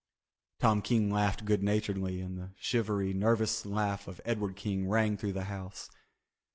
Tom King laughed good naturedly and the shivery, nervous laugh of Edward King rang through the house.